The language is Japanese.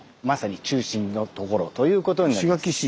まさに中心のところということになります。